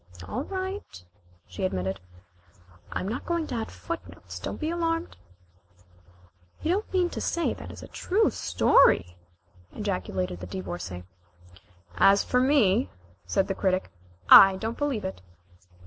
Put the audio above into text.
"All right," she admitted. "I am not going to add footnotes, don't be alarmed." "You don't mean to say that is a true story?" ejaculated the Divorcée. "As for me," said the Critic, "I don't believe it."